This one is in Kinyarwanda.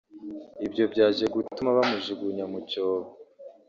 Ibyo byaje gutuma bamujugunya mu cyobo